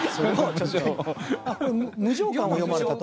無常感を詠まれたと。